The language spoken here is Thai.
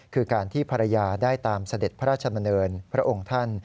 คือการที่ภรรยาได้ตามเสด็จพระราชมเนินพระองค์ท่าน